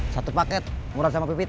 satu paket murah sama pipit